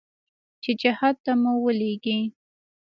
چې جهاد ته مو ولېږي.